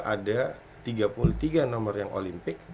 ada tiga puluh tiga nomor yang olimpik